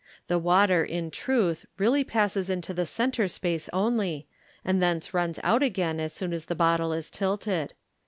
The water, in truth, realty passes into the centre space only, and thence luns out again as soon as the bottle is tilted.